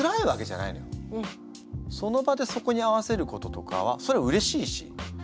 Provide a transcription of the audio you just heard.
その場でそこに合わせることとかはそれはうれしいし。